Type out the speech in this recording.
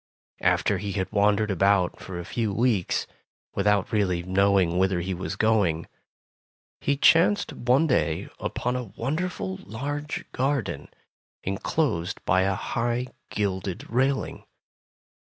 After he had wandered about for a few weeks, without really knowing whither he was going, he chanced one day upon a wonderful large garden, enclosed by a high gilded railing.